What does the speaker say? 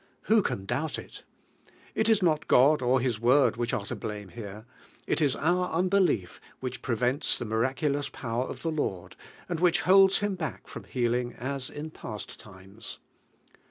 Who can doubt it? It ia not God or His Word which are to bin here, it is our unbelief which pre vents the miraculous power of the Lord, I which holds Him back from heal ing as in past times.